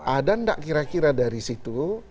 ada nggak kira kira dari situ